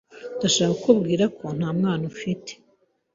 Ndashobora kukubwira ko nta mwana ufite